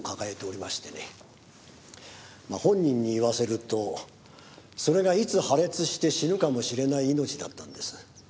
本人に言わせるとそれがいつ破裂して死ぬかもしれない命だったんです。